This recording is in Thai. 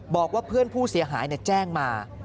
บอกว่าเพื่อนผู้เสียหายแจ้งมา